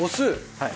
はい。